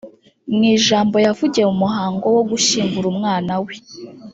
Mu ijambo yavugiye mu muhango wo gushyingura umwana we